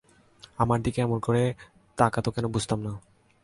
আমার দিকে অমন করে তাকাত কেন, বুঝতাম না।